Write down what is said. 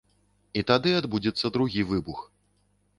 І тады адбудзецца другі выбух.